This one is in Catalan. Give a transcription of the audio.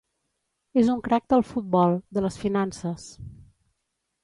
És un crac del futbol, de les finances.